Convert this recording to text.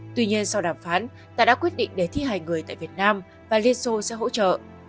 tuy nhiên sau đàm phán ta đã quyết định để thi hài người tại việt nam và liên xô sẽ hỗ trợ